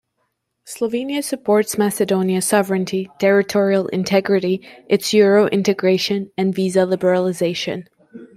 Slovenia supports Macedonia's sovereignty, territorial integrity, its Euro-integration and visa liberalisation.